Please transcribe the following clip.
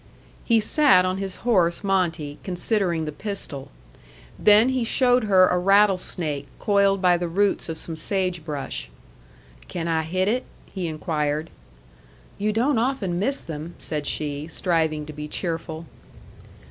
He sat on his horse Monte, considering the pistol. Then he showed her a rattlesnake coiled by the roots of some sage brush. "Can I hit it?" he inquired. "You don't often miss them," said she, striving to be cheerful.